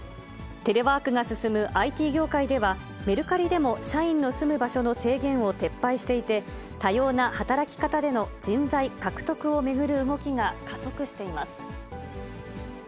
テレワークが進むＩＴ業界では、メルカリでも、社員の住む場所の制限を撤廃していて、多様な働き方での人材獲得を巡る動きが加速しています。